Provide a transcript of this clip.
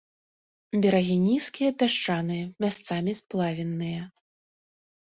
Берагі нізкія, пясчаныя, месцамі сплавінныя.